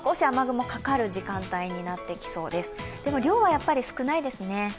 でも、量はやっぱり少ないですね。